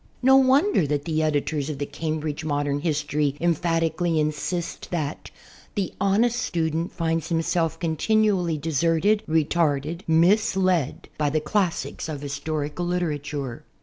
No wonder that the editors of the "Cambridge Modern Vlistory" emphatically insist that "the honest student finds himself continually deserted, retarded, misled, by the classics of historical literature."